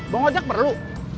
bang ojak perlu